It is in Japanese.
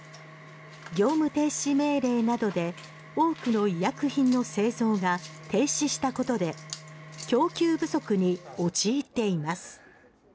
業務停止命令などで多くの医薬品の製造が停止したことで供給不足に陥っています。